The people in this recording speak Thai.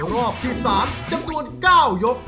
รอบที่๓จำนวน๙ยก